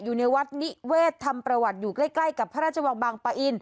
อยู่ในวัดนิเวศทำประวัติอยู่ใกล้กับพระราชวังบางปะอิน